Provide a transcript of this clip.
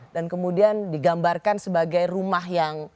dan kemudian digambarkan sebagai rumah yang